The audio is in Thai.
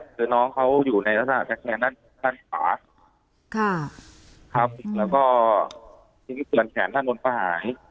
เจอน้องเขาอยู่ในภาพแขนด้านด้านขวาครับครับแล้วก็ทิ้งที่ส่วนแขนด้านบนก็หาย